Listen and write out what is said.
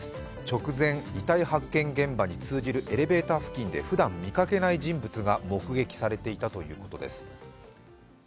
直前、遺体発見現場に通じるエレベーター付近でふだん見かけない人物が目撃されていたということです。